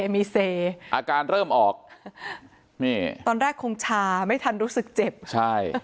มีเซอาการเริ่มออกนี่ตอนแรกคงชาไม่ทันรู้สึกเจ็บใช่